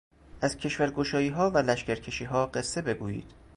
از کشورگشاییها و لشکرکشیها قصه بگویید